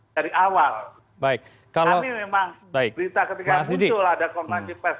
dari awal kami memang berita ketika muncul ada kontanjipes